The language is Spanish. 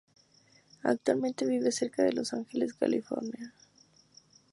Actualmente vive cerca de Los Ángeles, California.